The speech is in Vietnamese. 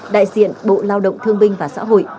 đại diện bộ lao động thương binh và xã hội